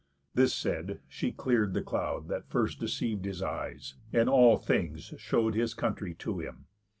This said, she clear'd the cloud That first deceiv'd his eyes; and all things show'd His country to him.